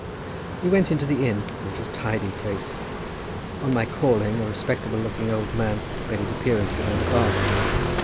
We went into the inn—a little tidy place. On my calling a respectable looking old man made his appearance behind a bar.